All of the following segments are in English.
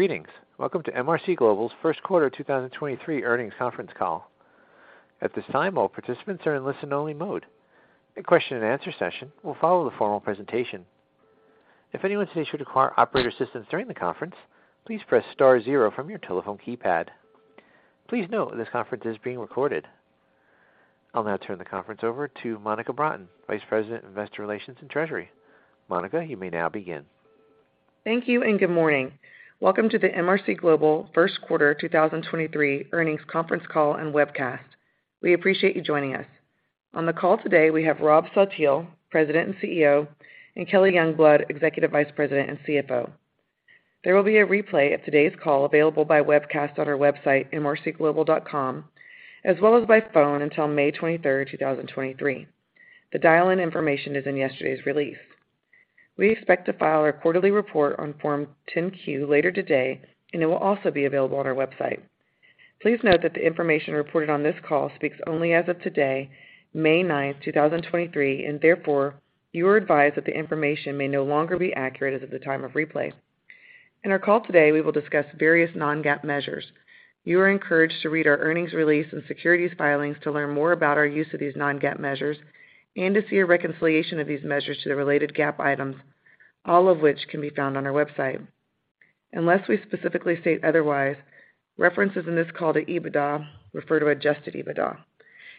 Greetings. Welcome to MRC Global's first quarter 2023 earnings conference call. At this time, all participants are in listen-only mode. A question-and-answer session will follow the formal presentation. If anyone today should require operator assistance during the conference, please press star zero from your telephone keypad. Please note this conference is being recorded. I'll now turn the conference over to Monica Broughton, Vice Presi dent of Investor Relations and Treasury. Monica, you may now begin. Thank you and good morning. Welcome to the MRC Global first quarter 2023 earnings conference call and webcast. We appreciate you joining us. On the call today, we have Rob Saltiel, President and CEO, and Kelly Youngblood, Executive Vice President and CFO. There will be a replay of today's call available by webcast on our website, mrcglobal.com, as well as by phone until May 23, 2023. The dial-in information is in yesterday's release. We expect to file our quarterly report on Form 10-Q later today, and it will also be available on our website. Please note that the information reported on this call speaks only as of today, May 9, 2023, and therefore, you are advised that the information may no longer be accurate as of the time of replay. In our call today, we will discuss various non-GAAP measures. You are encouraged to read our earnings release and securities filings to learn more about our use of these non-GAAP measures and to see a reconciliation of these measures to the related GAAP items, all of which can be found on our website. Unless we specifically state otherwise, references in this call to EBITDA refer to adjusted EBITDA.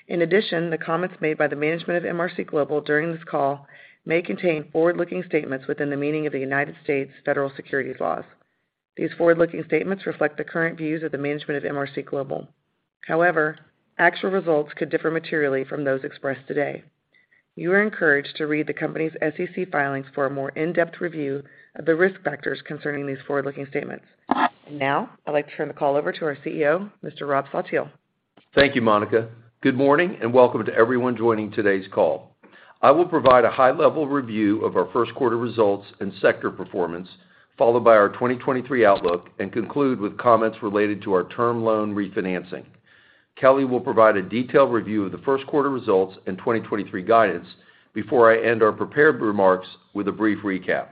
In addition, the comments made by the management of MRC Global during this call may contain forward-looking statements within the meaning of the United States federal securities laws. These forward-looking statements reflect the current views of the management of MRC Global. However, actual results could differ materially from those expressed today. You are encouraged to read the company's SEC filings for a more in-depth review of the risk factors concerning these forward-looking statements. Now I'd like to turn the call over to our CEO, Mr. Rob Saltiel. Thank you, Monica. Good morning and welcome to everyone joining today's call. I will provide a high-level review of our first quarter results and sector performance, followed by our 2023 outlook and conclude with comments related to our term loan refinancing. Kelly will provide a detailed review of the first quarter results and 2023 guidance before I end our prepared remarks with a brief recap.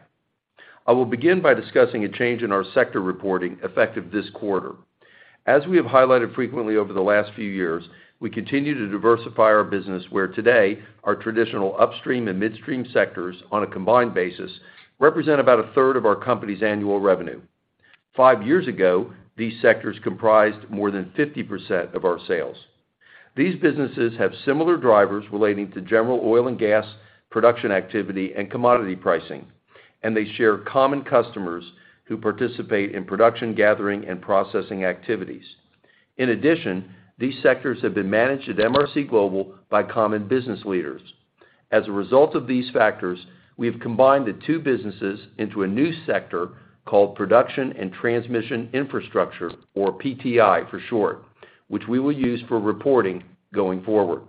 I will begin by discussing a change in our sector reporting effective this quarter. As we have highlighted frequently over the last few years, we continue to diversify our business, where today our traditional upstream and midstream sectors on a combined basis represent about a third of our company's annual revenue. Five years ago, these sectors comprised m ore than 50% of our sales. These businesses have similar drivers relating to general oil and gas production activity and commodity pricing, and they share common customers who participate in production, gathering, and processing activities. In addition, these sectors have been managed at MRC Global by common business leaders. As a result of these factors, we have combined the two businesses into a new sector called Production and Transmission Infrastructure, or PTI for short, which we will use for reporting going forward.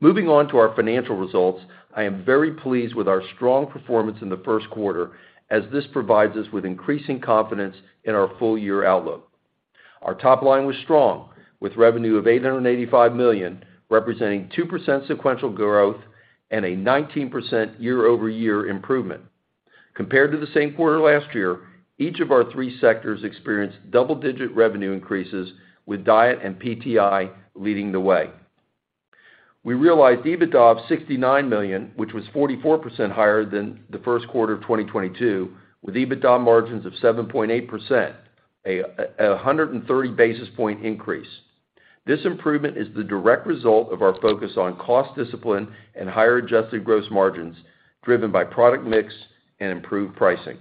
Moving on to our financial results. I am very pleased with our strong performance in the first quarter as this provides us with increasing confidence in our full year outlook. Our top line was strong, with revenue of $885 million, representing 2% sequential growth and a 19% year-over-year improvement. Compared to the same quarter last year, each of our three sectors experienced double-digit revenue increases, with DIET and PTI leading the way. We realized EBITDA of $69 million, which was 44% higher than the first quarter of 2022, with EBITDA margins of 7.8%, a 130 basis point increase. This improvement is the direct result of our focus on cost discipline and higher adjusted gross margins driven by product mix and improved pricing.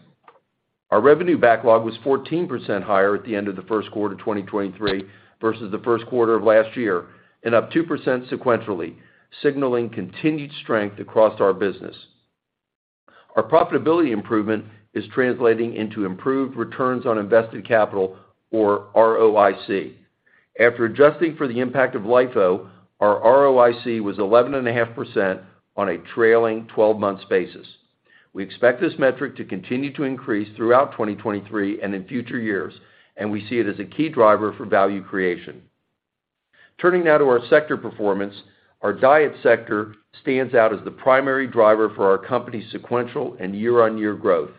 Our revenue backlog was 14% higher at the end of the first quarter of 2023 versus the first quarter of last year and up 2% sequentially, signaling continued strength across our business. Our profitability improvement is translating into improved returns on invested capital or ROIC. After adjusting for the impact of LIFO, our ROIC was 11.5% on a trailing twelve months basis. We expect this metric to continue to increase throughout 2023 and in future years. We see it as a key driver for value creation. Turning now to our sector performance. Our DIET sector stands out as the primary driver for our company's sequential and year-on-year growth,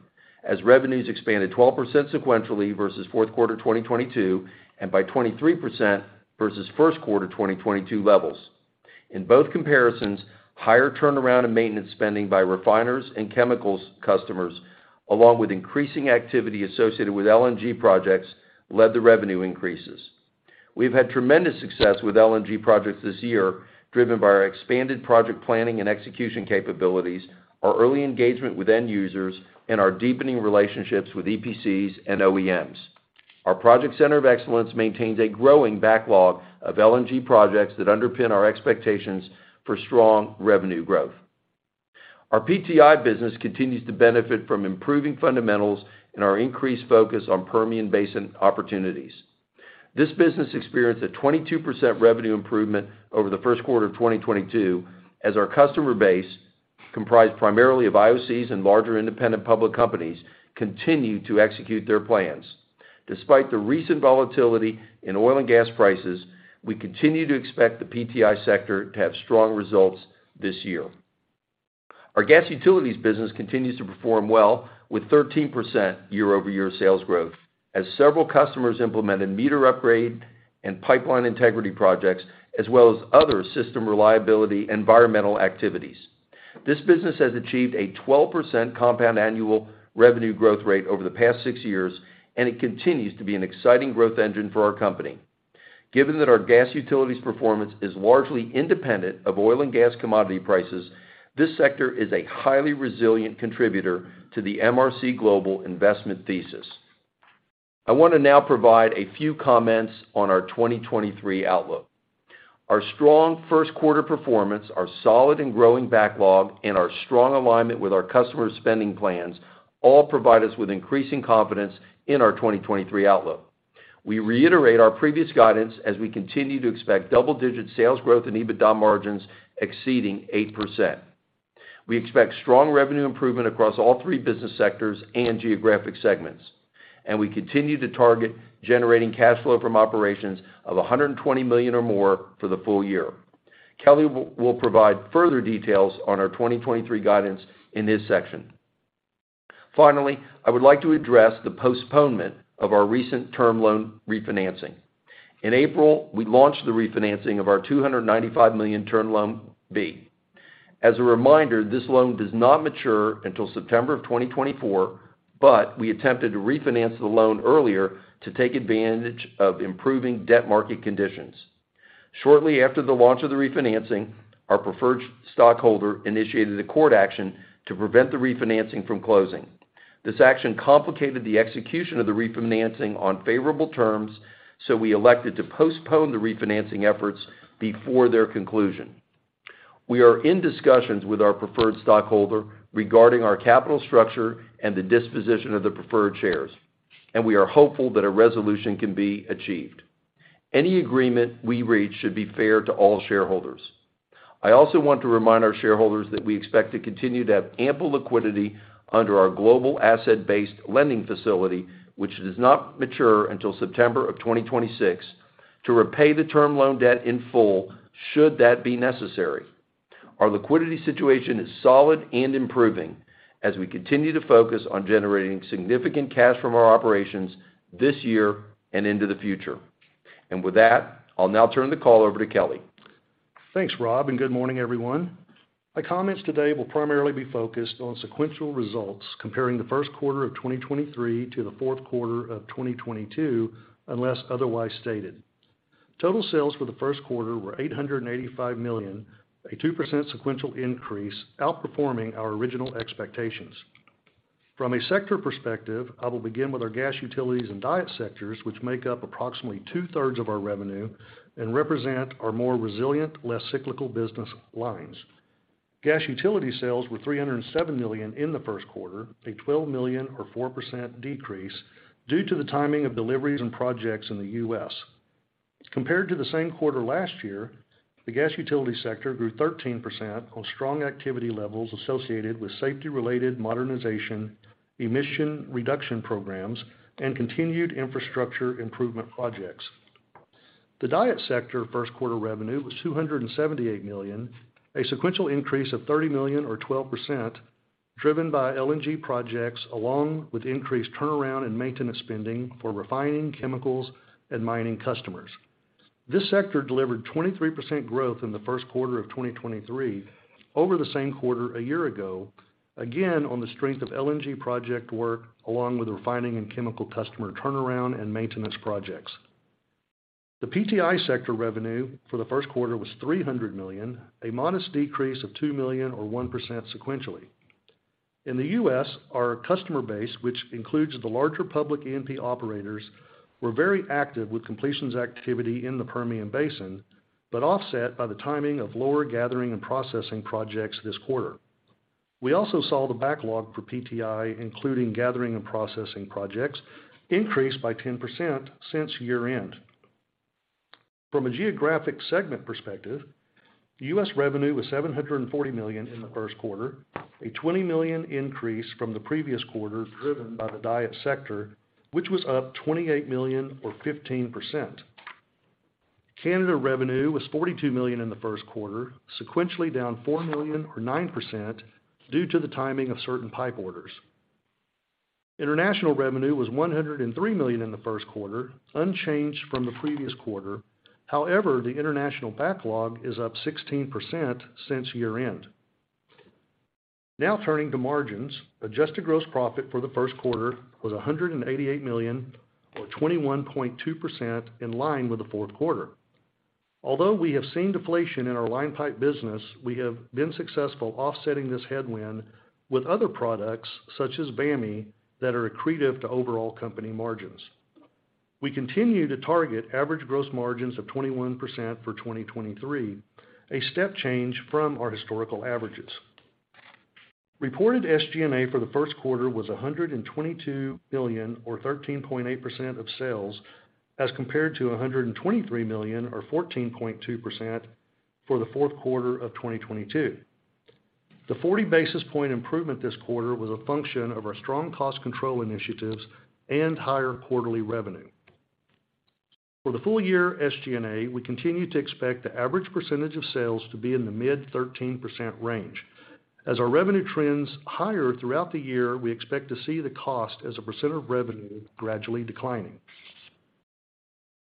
as revenues expanded 12% sequentially versus fourth quarter 2022 and by 23% versus first quarter 2022 levels. In both comparisons, higher turnaround and maintenance spending by refiners and chemicals customers, along with increasing activity associated with LNG projects, led to revenue increases. We've had tremendous success with LNG projects this year, driven by our expanded project planning and execution capabilities, our early engagement with end users, and our deepening relationships with EPCs and OEMs. Our Project Center of Excellence maintains a growing backlog of LNG projects that underpin our expectations for strong revenue growth. Our PTI business continues to benefit from improving fundamentals and our increased focus on Permian Basin opportunities. This business experienced a 22% revenue improvement over the first quarter of 2022 as our customer base, comprised primarily of IOCs and larger independent public companies, continued to execute their plans. Despite the recent volatility in oil and gas prices, we continue to expect the PTI sector to have strong results this year. Our gas utilities business continues to perform well with 13% year-over-year sales growth as several customers implemented meter upgrade and pipeline integrity projects, as well as other system reliability environmental activities. This business has achieved a 12% compound annual revenue growth rate over the past six years. It continues to be an exciting growth engine for our company. Given that our gas utilities performance is largely independent of oil and gas commodity prices, this sector is a highly resilient contributor to the MRC Global investment thesis. I want to now provide a few comments on our 2023 outlook. Our strong first quarter performance, our solid and growing backlog, and our strong alignment with our customer spending plans all provide us with increasing confidence in our 2023 outlook. We reiterate our previous guidance as we continue to expect double-digit sales growth and EBITDA margins exceeding 8%. We expect strong revenue improvement across all three business sectors and geographic segments, and we continue to target generating cash flow from operations of $120 million or more for the full year. Kelly will provide further details on our 2023 guidance in this section. Finally, I would like to address the postponement of our recent Term Loan B refinancing. In April, we launched the refinancing of our $295 million Term Loan B. As a reminder, this loan does not mature until September of 2024, but we attempted to refinance the loan earlier to take advantage of improving debt market conditions. Shortly after the launch of the refinancing, our preferred stockholder initiated a court action to prevent the refinancing from closing. This action complicated the execution of the refinancing on favorable terms, so we elected to postpone the refinancing efforts before their conclusion. We are in discussions with our preferred stockholder regarding our capital structure and the disposition of the preferred shares, and we are hopeful that a resolution can be achieved. Any agreement we reach should be fair to all shareholders. I also want to remind our shareholders that we expect to continue to have ample liquidity under our global asset-based lending facility, which does not mature until September of 2026, to repay the term loan debt in full should that be necessary. Our liquidity situation is solid and improving as we continue to focus on generating significant cash from our operations this year and into the future. With that, I'll now turn the call over to Kelly. Thanks, Rob. Good morning, everyone. My comments today will primarily be focused on sequential results comparing the first quarter of 2023 to the fourth quarter of 2022, unless otherwise stated. Total sales for the first quarter were $885 million, a 2% sequential increase outperforming our original expectations. From a sector perspective, I will begin with our gas utilities and DIET sectors, which make up approximately 2/3 of our revenue and represent our more resilient, less cyclical business lines. Gas utility sales were $307 million in the first quarter, a $12 million or 4% decrease due to the timing of deliveries and projects in the U.S. Compared to the same quarter last year, the gas utility sector grew 13% on strong activity levels associated with safety-related modernization, emission reduction programs, and continued infrastructure improvement projects. The DIET sector first quarter revenue was $278 million, a sequential increase of $30 million or 12%, driven by LNG projects along with increased turnaround in maintenance spending for refining chemicals and mining customers. This sector delivered 23% growth in the first quarter of 2023 over the same quarter a year ago, again, on the strength of LNG project work, along with the refining and chemical customer turnaround and maintenance projects. The PTI sector revenue for the first quarter was $300 million, a modest decrease of $2 million or 1% sequentially. In the U.S., our customer base, which includes the larger public E&P operators, were very active with completions activity in the Permian Basin, offset by the timing of lower gathering and processing projects this quarter. We also saw the backlog for PTI, including gathering and processing projects, increased by 10% since year-end. From a geographic segment perspective, U.S. revenue was $740 million in the first quarter, a $20 million increase from the previous quarter driven by the DIET sector, which was up $28 million or 15%. Canada revenue was $42 million in the first quarter, sequentially down $4 million or 9% due to the timing of certain pipe orders. International revenue was $103 million in the first quarter, unchanged from the previous quarter. The international backlog is up 16% since year-end. Turning to margins. Adjusted gross profit for the first quarter was $188 million or 21.2% in line with the fourth quarter. Although we have seen deflation in our line pipe business, we have been successful offsetting this headwind with other products such as VAMI that are accretive to overall company margins. We continue to target average gross margins of 21% for 2023, a step change from our historical averages. Reported SG&A for the first quarter was $122 million or 13.8% of sales as compared to $123 million or 14.2% for the fourth quarter of 2022. The 40 basis point improvement this quarter was a function of our strong cost control initiatives and higher quarterly revenue. For the full year SG&A, we continue to expect the average percentage of sales to be in the mid 13% range. As our revenue trends higher throughout the year, we expect to see the cost as a percent of revenue gradually declining.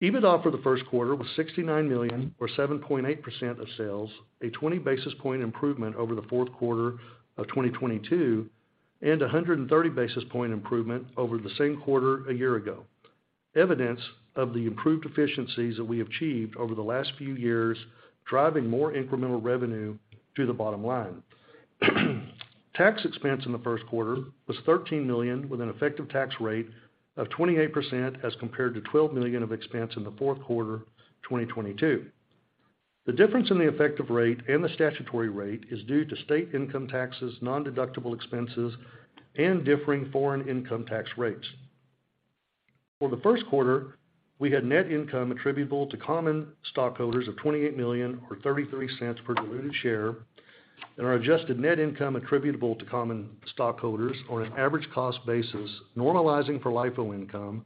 EBITDA for the first quarter was $69 million or 7.8% of sales, a 20 basis point improvement over the fourth quarter of 2022, and a 130 basis point improvement over the same quarter a year ago. Evidence of the improved efficiencies that we achieved over the last few years, driving more incremental revenue to the bottom line. Tax expense in the first quarter was $13 million with an effective tax rate of 28% as compared to $12 million of expense in the fourth quarter of 2022. The difference in the effective rate and the statutory rate is due to state income taxes, nondeductible expenses, and differing foreign income tax rates. For the first quarter, we had net income attributable to common stockholders of $28 million or $0.33 per diluted share, and our adjusted net income attributable to common stockholders on an average cost basis, normalizing for LIFO income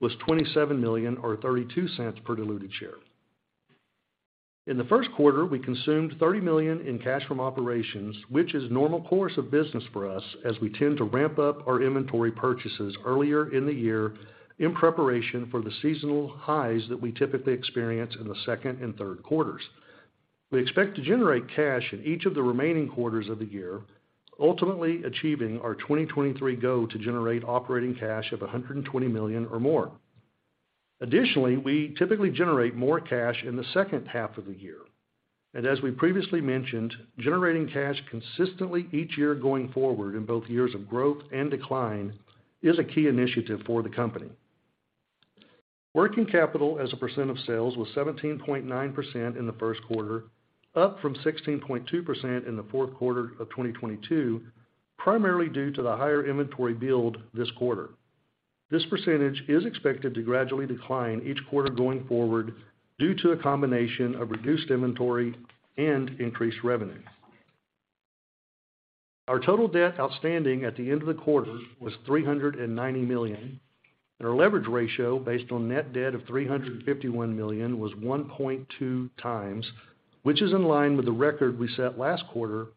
was $27 million or $0.32 per diluted share. In the first quarter, we consumed $30 million in cash from operations, which is normal course of business for us as we tend to ramp up our inventory purchases earlier in the year in preparation for the seasonal highs that we typically experience in the second and third quarters. We expect to generate cash in each of the remaining quarters of the year, ultimately achieving our 2023 goal to generate operating cash of $120 million or more. We typically generate more cash in the second half of the year. As we previously mentioned, generating cash consistently each year going forward in both years of growth and decline is a key initiative for the company. Working capital as a percent of sales was 17.9% in the first quarter, up from 16.2% in the fourth quarter of 2022, primarily due to the higher inventory build this quarter. This percentage is expected to gradually decline each quarter going forward due to a combination of reduced inventory and increased revenue. Our total debt outstanding at the end of the quarter was $390 million. Our leverage ratio based on net debt of $351 million was 1.2x, which is in line with the record we set last quarter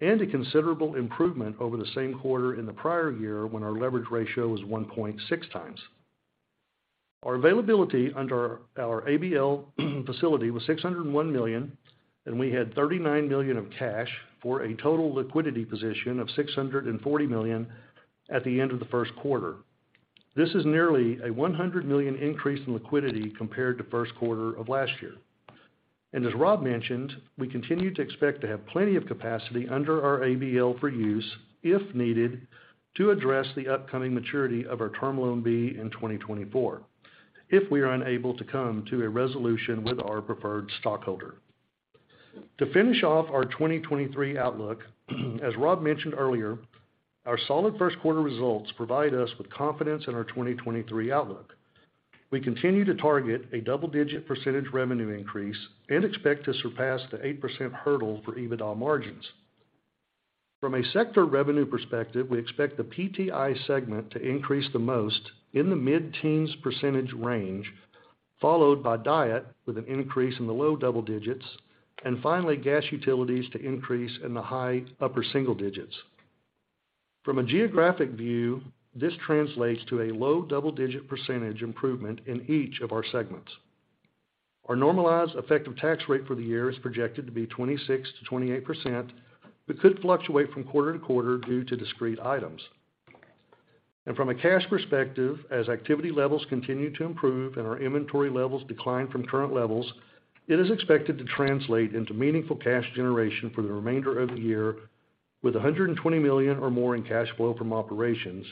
and a considerable improvement over the same quarter in the prior year when our leverage ratio was 1.6 times. Our availability under our ABL facility was $601 million, and we had $39 million of cash for a total liquidity position of $640 million at the end of the first quarter. This is nearly a $100 million increase in liquidity compared to first quarter of last year. As Rob mentioned, we continue to expect to have plenty of capacity under our ABL for use if needed to address the upcoming maturity of our Term Loan B in 2024, if we are unable to come to a resolution with our preferred stockholder. To finish off our 2023 outlook, as Rob mentioned earlier, our solid first quarter results provide us with confidence in our 2023 outlook. We continue to target a double-digit % revenue increase and expect to surpass the 8% hurdle for EBITDA margins. From a sector revenue perspective, we expect the PTI segment to increase the most in the mid-teens % range, followed by DIET with an increase in the low double digits, and finally, gas utilities to increase in the high upper single digits. From a geographic view, this translates to a low double-digit % improvement in each of our segments. Our normalized effective tax rate for the year is projected to be 26%-28%, but could fluctuate from quarter to quarter due to discrete items. From a cash perspective, as activity levels continue to improve and our inventory levels decline from current levels, it is expected to translate into meaningful cash generation for the remainder of the year with $120 million or more in cash flow from operations.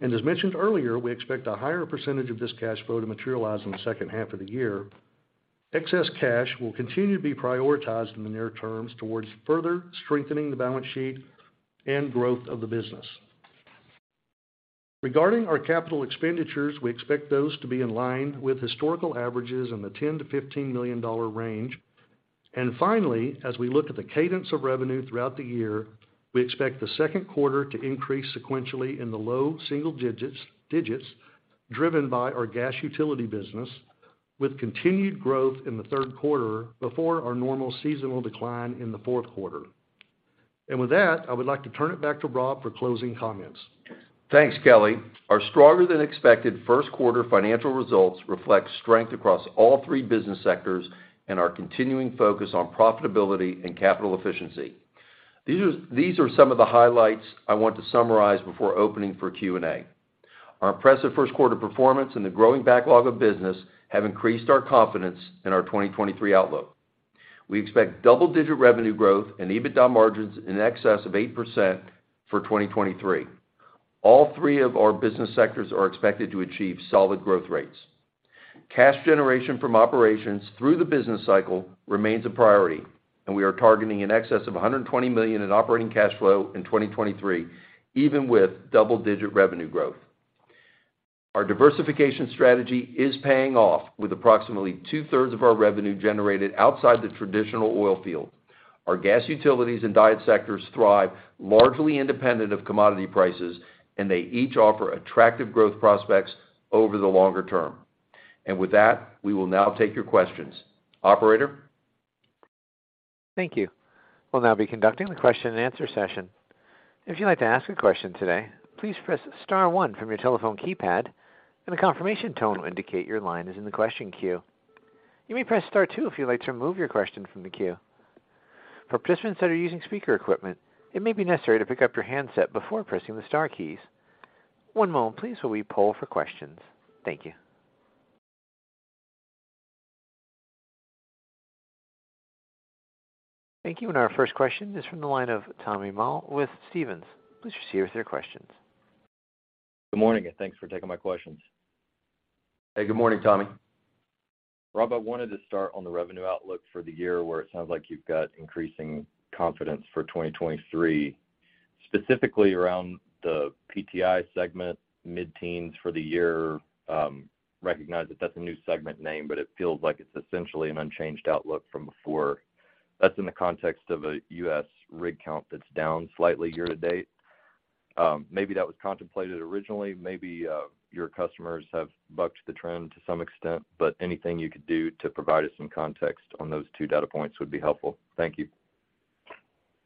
As mentioned earlier, we expect a higher percentage of this cash flow to materialize in the second half of the year. Excess cash will continue to be prioritized in the near terms towards further strengthening the balance sheet and growth of the business. Regarding our capital expenditures, we expect those to be in line with historical averages in the $10 million-$15 million range. Finally, as we look at the cadence of revenue throughout the year, we expect the second quarter to increase sequentially in the low single digits driven by our gas utility business with continued growth in the third quarter before our normal seasonal decline in the fourth quarter. With that, I would like to turn it back to Rob for closing comments. Thanks, Kelly. Our stronger than expected first quarter financial results reflect strength across all three business sectors and our continuing focus on profitability and capital efficiency. These are some of the highlights I want to summarize before opening for Q&A. Our impressive first quarter performance and the growing backlog of business have increased our confidence in our 2023 outlook. We expect double-digit revenue growth and EBITDA margins in excess of 8% for 2023. All three of our business sectors are expected to achieve solid growth rates. Cash generation from operations through the business cycle remains a priority, and we are targeting in excess of $120 million in operating cash flow in 2023, even with double-digit revenue growth. Our diversification strategy is paying off with approximately two-thirds of our revenue generated outside the traditional oil field. Our gas utilities and DIET sectors thrive largely independent of commodity prices, and they each offer attractive growth prospects over the longer term. With that, we will now take your questions. Operator? Thank you. We'll now be conducting the question-and-answer session. If you'd like to ask a question today, please press star 1 from your telephone keypad, and a confirmation tone will indicate your line is in the question queue. You may press star 2 if you'd like to remove your question from the queue. For participants that are using speaker equipment, it may be necessary to pick up your handset before pressing the star keys. One moment please, while we poll for questions. Thank you. Thank you. Our first question is from the line of Tommy Moll with Stephens. Please proceed with your questions. Good morning, thanks for taking my questions. Hey, good morning, Tommy. Rob, I wanted to start on the revenue outlook for the year where it sounds like you've got increasing confidence for 2023, specifically around the PTI segment mid-teens for the year. Recognize that that's a new segment name, but it feels like it's essentially an unchanged outlook from before. That's in the context of a U.S. rig count that's down slightly year to date. Maybe that was contemplated originally. Maybe your customers have bucked the trend to some extent, but anything you could do to provide us some context on those two data points would be helpful. Thank you.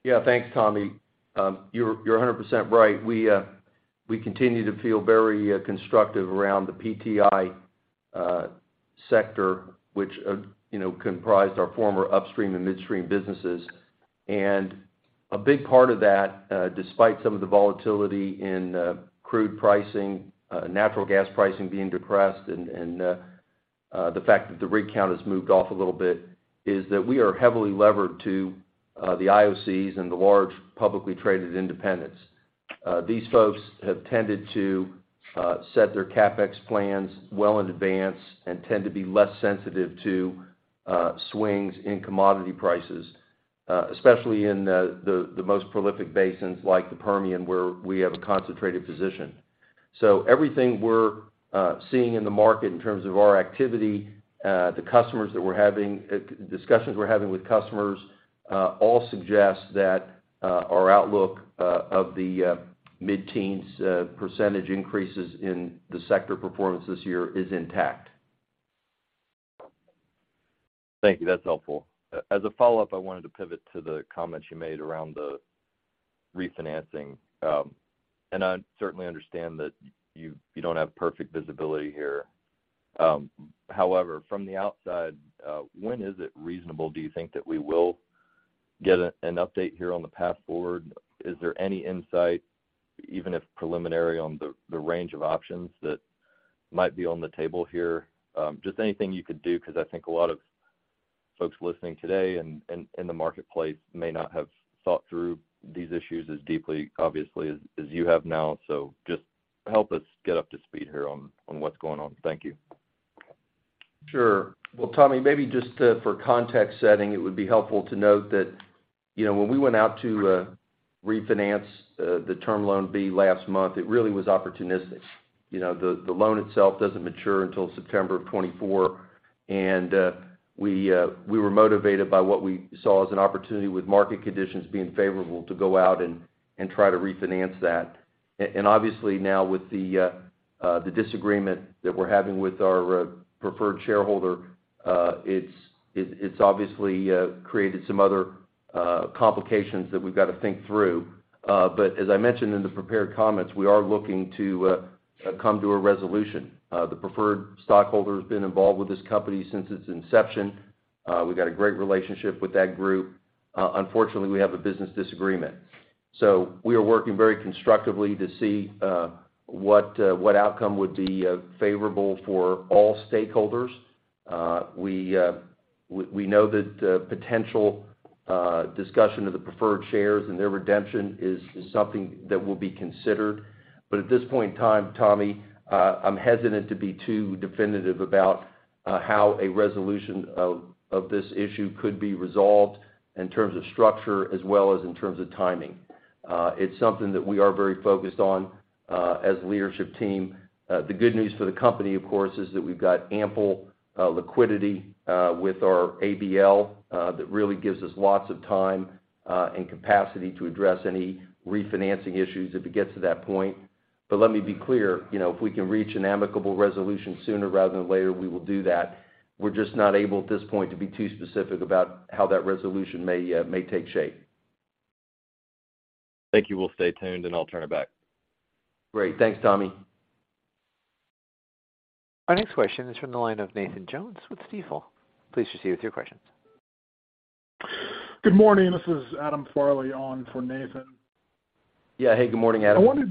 Yeah. Thanks, Tommy Moll. You're 100% right. We continue to feel very constructive around the PTI sector, which, you know, comprised our former upstream and midstream businesses. A big part of that, despite some of the volatility in crude pricing, natural gas pricing being depressed and the fact that the rig count has moved off a little bit, is that we are heavily levered to the IOCs and the large publicly traded independents. These folks have tended to set their CapEx plans well in advance and tend to be less sensitive to swings in commodity prices, especially in the most prolific basins like the Permian, where we have a concentrated position. Everything we're seeing in the market in terms of our activity, discussions we're having with customers, all suggest that our outlook of the mid-teens % increases in the sector performance this year is intact. Thank you. That's helpful. As a follow-up, I wanted to pivot to the comments you made around the refinancing. I certainly understand that you don't have perfect visibility here. However, from the outside, when is it reasonable, do you think, that we will get an update here on the path forward? Is there any insight, even if preliminary, on the range of options that might be on the table here? Just anything you could do, 'cause I think a lot of folks listening today and in the marketplace may not have thought through these issues as deeply, obviously, as you have now. Just help us get up to speed here on what's going on. Thank you. Sure. Well, Tommy, maybe just for context setting, it would be helpful to note that, you know, when we went out to refinance the Term Loan B last month, it really was opportunistic. You know, the loan itself doesn't mature until September of 2024, we were motivated by what we saw as an opportunity with market conditions being favorable to go out and try to refinance that. Obviously now with the disagreement that we're having with our preferred shareholder, it's obviously created some other complications that we've gotta think through. As I mentioned in the prepared comments, we are looking to come to a resolution. The preferred stockholder has been involved with this company since its inception. We've got a great relationship with that group. Unfortunately, we have a business disagreement. We are working very constructively to see what outcome would be favorable for all stakeholders. We know that potential discussion of the preferred shares and their redemption is something that will be considered. At this point in time, Tommy, I'm hesitant to be too definitive about how a resolution of this issue could be resolved in terms of structure as well as in terms of timing. It's something that we are very focused on as leadership team. The good news for the company, of course, is that we've got ample liquidity with our ABL that really gives us lots of time and capacity to address any refinancing issues if it gets to that point. Let me be clear, you know, if we can reach an amicable resolution sooner rather than later, we will do that. We're just not able at this point to be too specific about how that resolution may take shape. Thank you. We'll stay tuned, and I'll turn it back. Great. Thanks, Tommy. Our next question is from the line of Nathan Jones with Stifel. Please proceed with your questions. Good morning. This is Adam Farley on for Nathan. Yeah. Hey, good morning, Adam. Yeah,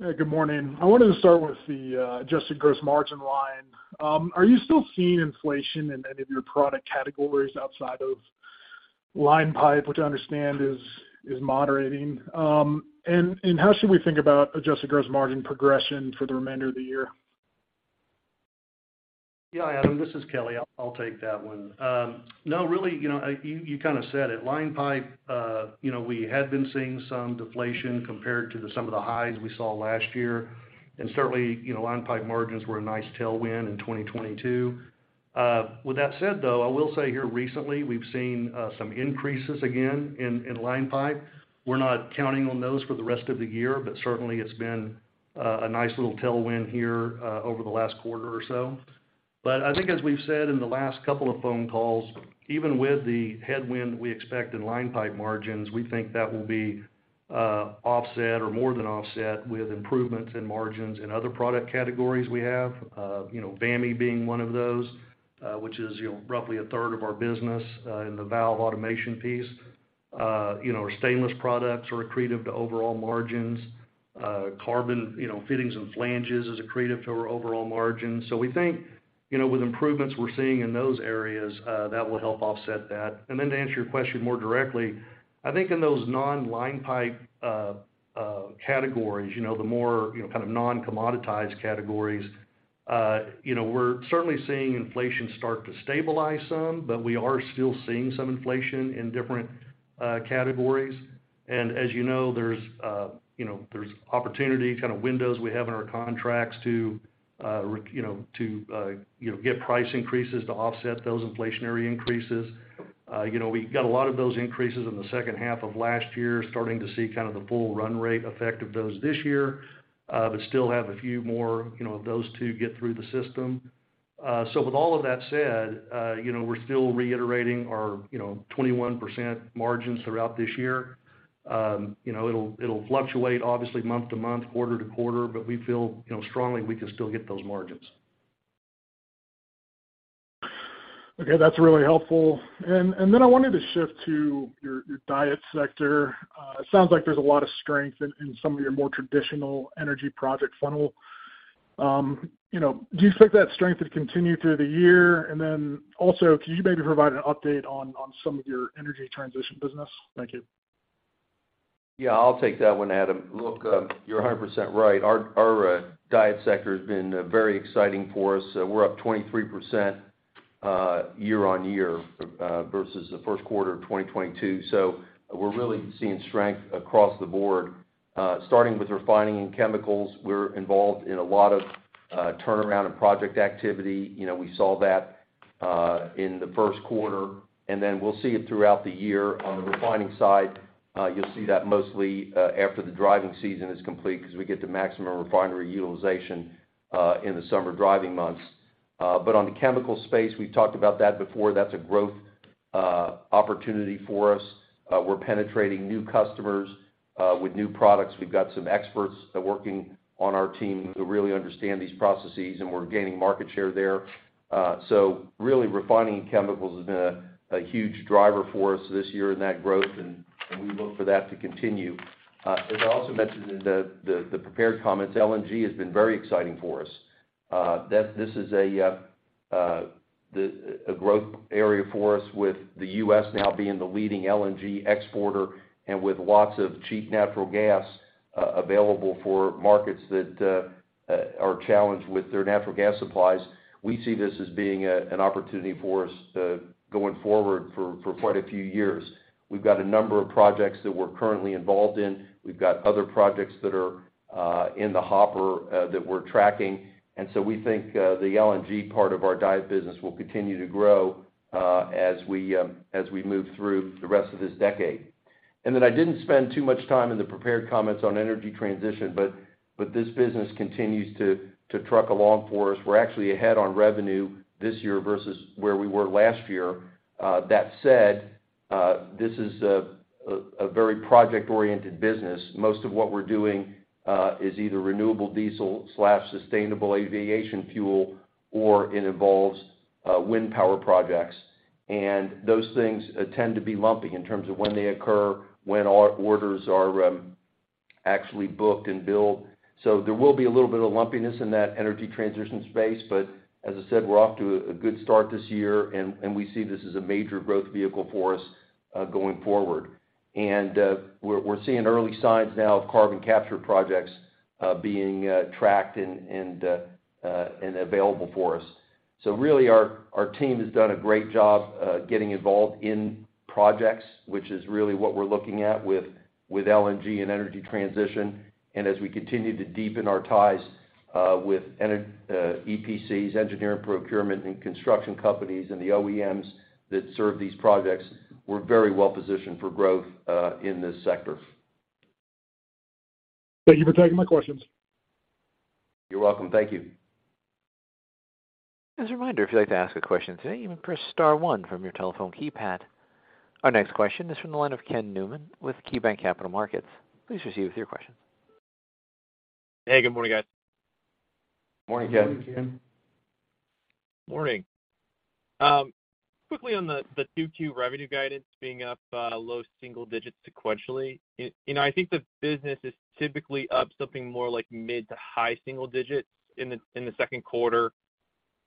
good morning. I wanted to start with the adjusted gross margin line. Are you still seeing inflation in any of your product categories outside of line pipe, which I understand is moderating? How should we think about adjusted gross margin progression for the remainder of the year? Yeah, Adam, this is Kelly. I'll take that one. No, really, you know, you kinda said it. Line pipe. You know, we had been seeing some deflation compared to the some of the highs we saw last year. Certainly, you know, line pipe margins were a nice tailwind in 2022. With that said, though, I will say here recently, we've seen some increases again in line pipe. We're not counting on those for the rest of the year, but certainly, it's been a nice little tailwind here over the last quarter or so. I think as we've said in the last couple of phone calls, even with the headwind we expect in line pipe margins, we think that will be offset or more than offset with improvements in margins in other product categories we have. You know, VAMI being one of those, which is, you know, roughly a third of our business in the valve automation piece. Our stainless products are accretive to overall margins. Carbon fittings and flanges is accretive to our overall margins. We think with improvements we're seeing in those areas, that will help offset that. To answer your question more directly, I think in those non-line pipe categories, the more non-commoditized categories, we're certainly seeing inflation start to stabilize some, but we are still seeing some inflation in different categories. As you know, there's opportunity windows we have in our contracts to get price increases to offset those inflationary increases. You know, we got a lot of those increases in the second half of last year, starting to see kind of the full run rate effect of those this year, but still have a few more, you know, of those to get through the system. With all of that said, you know, we're still reiterating our, you know, 21% margins throughout this year. You know, it'll fluctuate obviously month to month, quarter to quarter, but we feel, you know, strongly we can still get those margins. Okay. That's really helpful. Then I wanted to shift to your DIET sector. It sounds like there's a lot of strength in some of your more traditional energy project funnel. You know, do you expect that strength to continue through the year? Also, can you maybe provide an update on some of your energy transition business? Thank you. Yeah, I'll take that one, Adam. Look, you're 100% right. Our, our, DIET sector has been very exciting for us. We're up 23% year-over-year versus the first quarter of 2022. We're really seeing strength across the board. Starting with refining and chemicals, we're involved in a lot of turnaround and project activity. You know, we saw that in the first quarter, and then we'll see it throughout the year. On the refining side, you'll see that mostly after the driving season is complete because we get the maximum refinery utilization in the summer driving months. On the chemical space, we've talked about that before. That's a growth opportunity for us. We're penetrating new customers with new products. We've got some experts working on our team who really understand these processes, and we're gaining market share there. Really refining chemicals has been a huge driver for us this year in that growth, and we look for that to continue. As I also mentioned in the prepared comments, LNG has been very exciting for us. This is a growth area for us with the U.S. now being the leading LNG exporter and with lots of cheap natural gas available for markets that are challenged with their natural gas supplies. We see this as being an opportunity for us going forward for quite a few years. We've got a number of projects that we're currently involved in. We've got other projects that are in the hopper that we're tracking. We think the LNG part of our DIET business will continue to grow as we move through the rest of this decade. I didn't spend too much time in the prepared comments on energy transition, but this business continues to truck along for us. We're actually ahead on revenue this year versus where we were last year. That said, this is a very project-oriented business. Most of what we're doing is either renewable diesel/sustainable aviation fuel, or it involves wind power projects. Those things tend to be lumpy in terms of when they occur, when orders are actually booked and billed. There will be a little bit of lumpiness in that energy transition space, but as I said, we're off to a good start this year, and we see this as a major growth vehicle for us going forward. We're seeing early signs now of carbon capture projects being tracked and available for us. Really our team has done a great job getting involved in projects, which is really what we're looking at with LNG and energy transition. As we continue to deepen our ties with EPCs, engineering, procurement, and construction companies and the OEMs that serve these projects, we're very well positioned for growth in this sector. Thank you for taking my questions. You're welcome. Thank you. As a reminder, if you'd like to ask a question today, you may press star one from your telephone keypad. Our next question is from the line of Ken Newman with KeyBanc Capital Markets. Please proceed with your question. Hey, good morning, guys. Morning, Ken. Morning, Ken. Morning. Quickly on the 2Q revenue guidance being up low single digits sequentially. I think the business is typically up something more like mid to high single digits in the second quarter.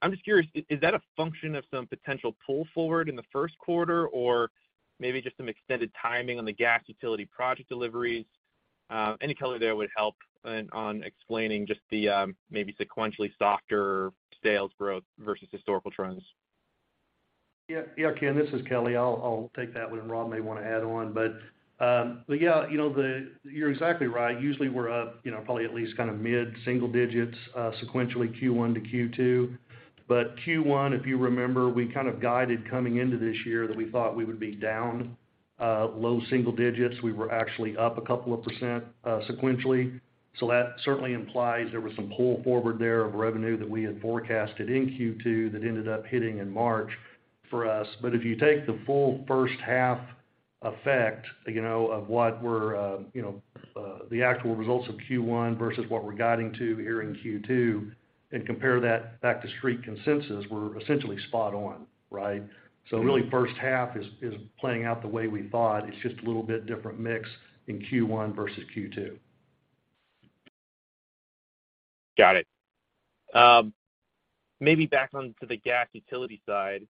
I'm just curious, is that a function of some potential pull forward in the first quarter or maybe just some extended timing on the gas utility project deliveries? Any color there would help on explaining just the maybe sequentially softer sales growth versus historical trends. Yeah, yeah, Ken, this is Kelly. I'll take that one, and Rob may wanna add on. Yeah, you know, you're exactly right. Usually, we're up, you know, probably at least kind of mid-single digits sequentially Q1 to Q2. Q1, if you remember, we kind of guided coming into this year that we thought we would be down low single digits. We were actually up a couple of percent sequentially. That certainly implies there was some pull forward there of revenue that we had forecasted in Q2 that ended up hitting in March for us. If you take the full first half effect, you know, of what we're, you know, the actual results of Q1 versus what we're guiding to here in Q2 and compare that back to Street consensus, we're essentially spot on, right? Really first half is playing out the way we thought. It's just a little bit different mix in Q1 versus Q2. Got it. Maybe back onto the gas utility side.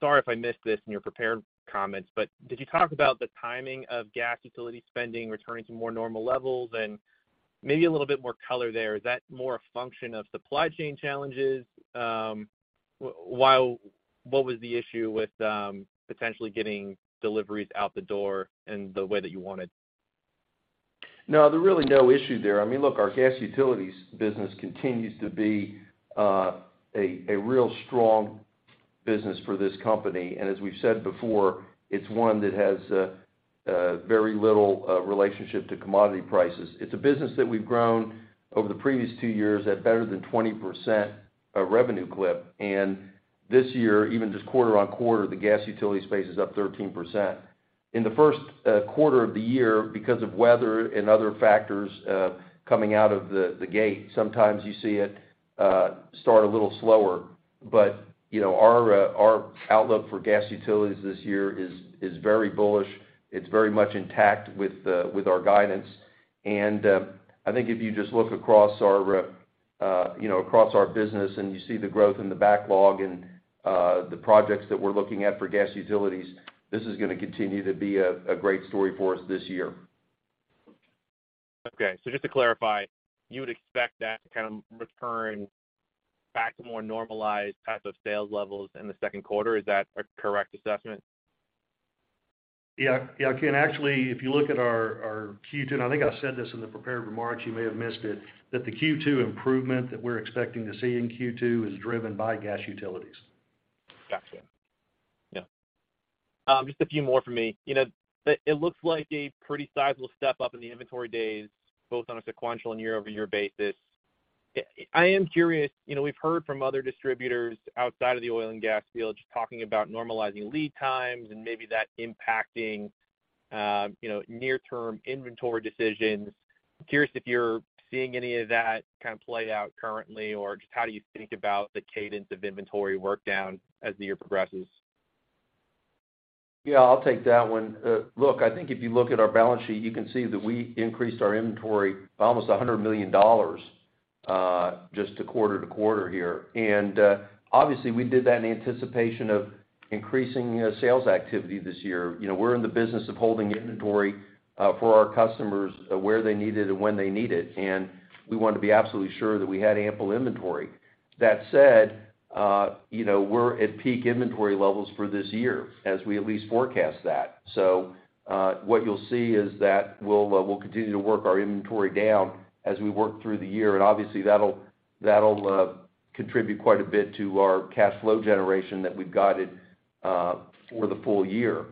Sorry if I missed this in your prepared comments, but did you talk about the timing of gas utility spending returning to more normal levels? Maybe a little bit more color there, is that more a function of supply chain challenges? While what was the issue with potentially getting deliveries out the door in the way that you wanted? No, there really no issue there. Look, our gas utilities business continues to be a real strong business for this company. As we've said before, it's one that has very little relationship to commodity prices. It's a business that we've grown over the previous 2 years at better than 20% of revenue clip. This year, even just quarter-on-quarter, the gas utility space is up 13%. In the 1st quarter of the year because of weather and other factors, coming out of the gate, sometimes you see it start a little slower. You know, our outlook for gas utilities this year is very bullish. It's very much intact with our guidance. I think if you just look across our, you know, across our business and you see the growth in the backlog and the projects that we're looking at for gas utilities, this is gonna continue to be a great story for us this year. Okay. Just to clarify, you would expect that to kind of return back to more normalized type of sales levels in the second quarter. Is that a correct assessment? Yeah, Ken, actually, if you look at our Q2, and I think I said this in the prepared remarks, you may have missed it, that the Q2 improvement that we're expecting to see in Q2 is driven by gas utilities. Gotcha. Yeah. Just a few more from me. You know, it looks like a pretty sizable step up in the inventory days, both on a sequential and year-over-year basis. I'm curious, you know, we've heard from other distributors outside of the oil and gas field just talking about normalizing lead times and maybe that impacting, you know, near-term inventory decisions. Curious if you're seeing any of that kind of play out currently, or just how do you think about the cadence of inventory work down as the year progresses? Yeah, I'll take that one. Look, I think if you look at our balance sheet, you can see that we increased our inventory by almost $100 million just quarter-to-quarter here. Obviously, we did that in anticipation of increasing, you know, sales activity this year. You know, we're in the business of holding inventory for our customers where they need it and when they need it, and we want to be absolutely sure that we had ample inventory. That said, you know, we're at peak inventory levels for this year as we at least forecast that. What you'll see is that we'll continue to work our inventory down as we work through the year, and obviously that'll contribute quite a bit to our cash flow generation that we've guided for the full year.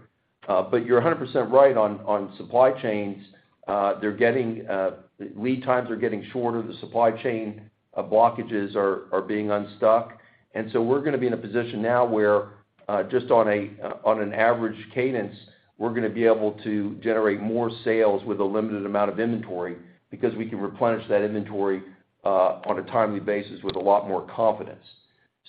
You're 100% right on supply chains. They're getting, lead times are getting shorter, the supply chain blockages are being unstuck. We're gonna be in a position now where, just on an average cadence, we're gonna be able to generate more sales with a limited amount of inventory because we can replenish that inventory on a timely basis with a lot more confidence.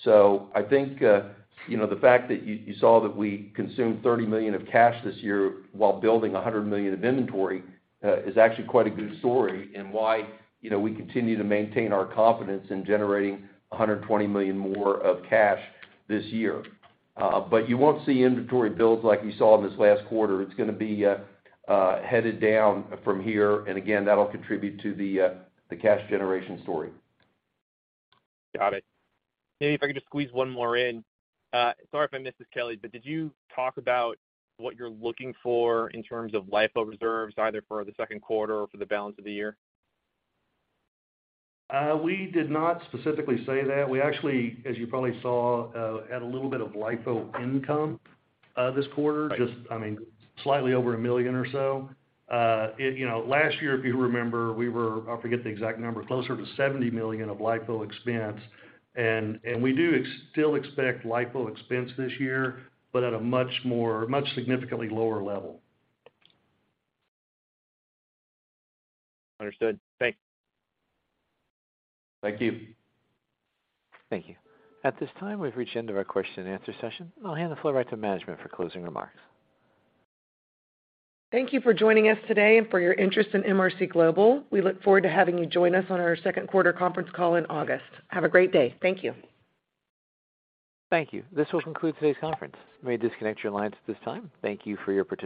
I think, you know, the fact that you saw that we consumed $30 million of cash this year while building $100 million of inventory is actually quite a good story and why, you know, we continue to maintain our confidence in generating $120 million more of cash this year. You won't see inventory builds like you saw in this last quarter. It's gonna be headed down from here. Again, that'll contribute to the cash generation story. Got it. Maybe if I could just squeeze one more in. Sorry if I missed this, Kelly, but did you talk about what you're looking for in terms of LIFO reserves, either for the second quarter or for the balance of the year? We did not specifically say that. We actually, as you probably saw, had a little bit of LIFO income, this quarter. Just, I mean, slightly over $1 million or so. You know, last year, if you remember, we were, I forget the exact number, closer to $70 million of LIFO expense. We do still expect LIFO expense this year, but at a much more, much significantly lower level. Understood. Thanks. Thank you. Thank you. At this time, we've reached the end of our question and answer session. I'll hand the floor back to management for closing remarks. Thank you for joining us today and for your interest in MRC Global. We look forward to having you join us on our second quarter conference call in August. Have a great day. Thank you. Thank you. This will conclude today's conference. You may disconnect your lines at this time. Thank you for your participation.